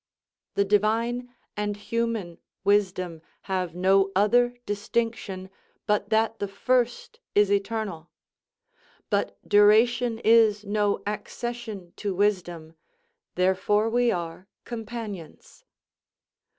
The divine and human wisdom have no other distinction, but that the first is eternal; but duration is no accession to wisdom, therefore we are companions.